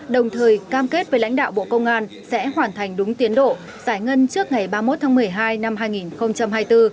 đồng thời cam kết với lãnh đạo bộ công an sẽ hoàn thành đúng tiến độ giải ngân trước ngày ba mươi một tháng một mươi hai năm hai nghìn hai mươi bốn